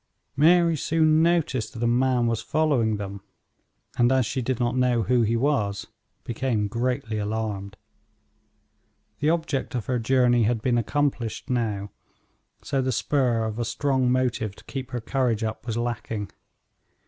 Mary soon noticed that a man was following them, and as she did not know who he was, became greatly alarmed. The object of her journey had been accomplished now, so the spur of a strong motive to keep her courage up was lacking.